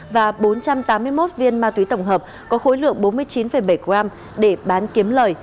và bốn trăm tám mươi một viên ma túy tổng hợp có khối lượng bốn mươi chín bảy g để bán kiếm lời